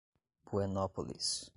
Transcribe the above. Buenópolis